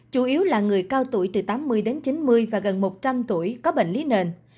chủ yếu là người cao tuổi từ tám mươi đến chín mươi và gần một trăm linh tuổi có bệnh lý nền